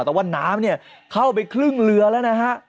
แต่ว่าน้ำเนี่ยเข้าไปครึ่งเรือแล้วนะฮะ